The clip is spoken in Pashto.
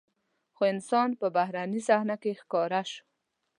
خو انسان په بحراني صحنه کې ښکاره شو.